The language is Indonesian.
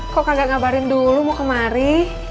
kok kagak ngabarin dulu mau kemari